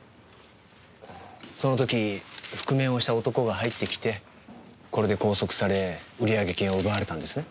その時覆面をした男が入ってきてこれで拘束され売上金を奪われたんですね？